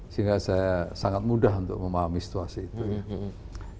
sehingga saya sangat mudah untuk memahami situasi itu ya